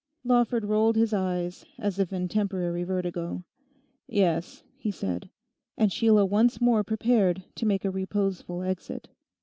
Lawford rolled his eyes as if in temporary vertigo. 'Yes,' he said. And Sheila once more prepared to make a reposeful exit.